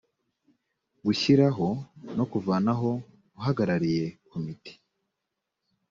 gushyiraho no kuvanaho uhagarariye komite